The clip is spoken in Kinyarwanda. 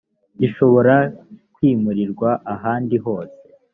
gishobora kwimurirwa ahandi hose